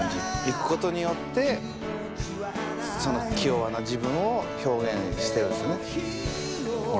いくことによって気弱な自分を表現してるんすね。